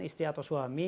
istri atau suami